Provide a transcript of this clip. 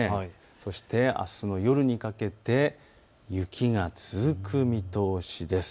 そしてあすの夜にかけて雪が続く見通しです。